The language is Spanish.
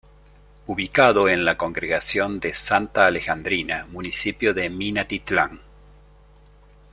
Ubicado en la congregación de "Santa Alejandrina", municipio de Minatitlán.